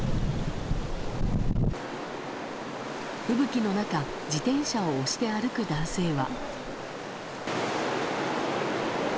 吹雪の中自転車を押して歩く男性は。